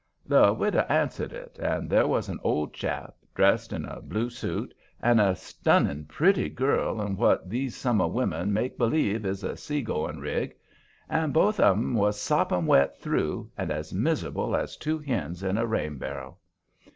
The widow answered it, and there was an old chap, dressed in a blue suit, and a stunning pretty girl in what these summer women make believe is a sea going rig. And both of 'em was sopping wet through, and as miserable as two hens in a rain barrel.